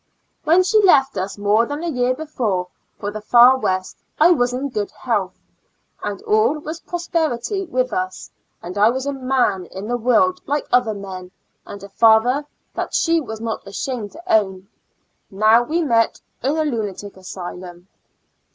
When she left us more than a year be fore, for the far west, I was in good health, and all was prosperity with us, and I was a 7nan in the world like other men, and a father that she was not ashamed to own. Now we meet in a lunatic asylum.